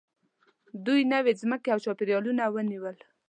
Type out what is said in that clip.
دوی نوې ځمکې او چاپېریالونه ونیول.